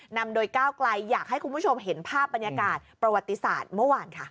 นำโดยก้าวไกลอยากให้คุณผู้ชมเห็นภาพบรรยากาศประวัติศาสตร์เมื่อวานค่ะ